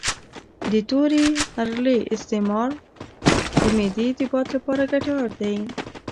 د تورې اریړې استعمال د معدې د باد لپاره ګټور دی